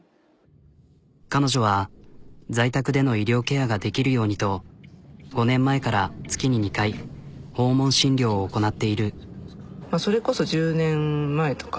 彼女は在宅での医療ケアができるようにと５年前から月に２回訪問診療を行なっている。